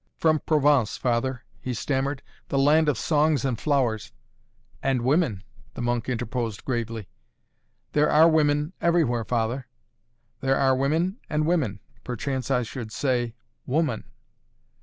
"From Provence, father," he stammered, "the land of songs and flowers " "And women " the monk interposed gravely. "There are women everywhere, father." "There are women and women. Perchance I should say 'Woman.'"